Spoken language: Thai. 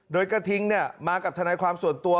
โดยกระทิงมากับทนายความส่วนตัว